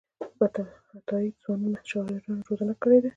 عطاييد ځوانو شاعرانو روزنه کړې ده.